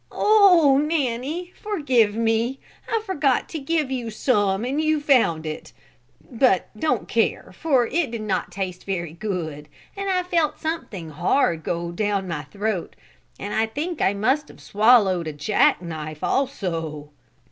"Oh, Nanny, forgive me, I forgot to give you some and you found it, but don't care for it did not taste very good and I felt something hard go down my throat and I think I must have swallowed a jack knife also.